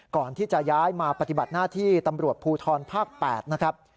ก่อนที่จะย้ายมาปฏิบัติหน้าที่ตำรวจภูทรภาค๘นะครับ